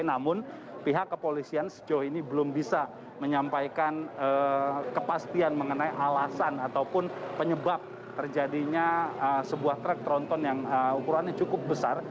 namun pihak kepolisian sejauh ini belum bisa menyampaikan kepastian mengenai alasan ataupun penyebab terjadinya sebuah truk tronton yang ukurannya cukup besar